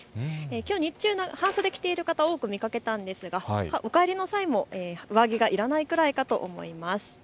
きょう日中、半袖を着ている人を多く見かけましたがお帰りの際も上着がいらないくらいかと思います。